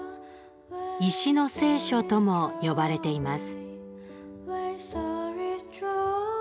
石の聖書とも呼ばれています。